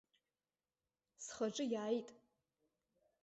Схаҿы иааит.